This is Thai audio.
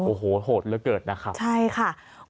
โอ้โหโหดเหลือเกินนะครับใช่ค่ะ